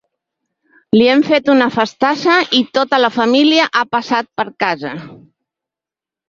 Li hem fet una festassa i tota la família ha passat per casa.